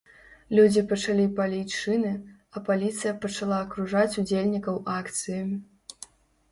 Людзі пачалі паліць шыны, а паліцыя пачала акружаць удзельнікаў акцыі.